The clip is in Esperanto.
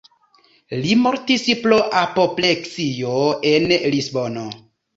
Li mortis pro apopleksio en Lisbono.